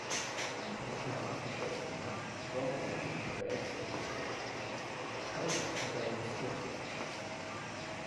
Fu proclamato dogma dopo la controversia teologica causata dai nestoriani.